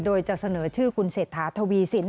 โดยจะเสนอชื่อคุณเศรษฐาทวีสิน